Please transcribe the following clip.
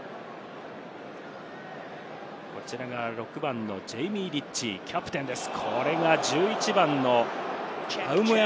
こちらが６番のジェイミー・リッチー、キャプテンです。